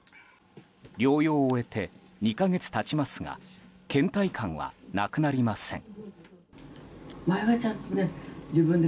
療養を終えて、２か月経ちますが倦怠感はなくなりません。